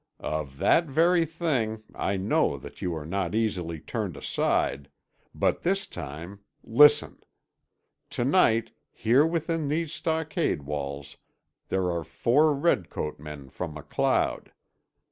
"Of that very thing. I know that you are not easily turned aside, but this time—listen. To night, here within these stockade walls, there are four redcoat men from MacLeod.